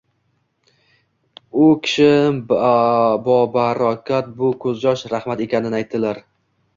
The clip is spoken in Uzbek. U kishi bobarakot bu ko‘zyosh rahmat ekanini aytdilar